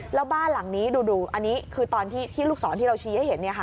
แล้วบ้านหลังนี้ดูอันนี้คือตอนที่ลูกศรที่เราชี้ให้เห็น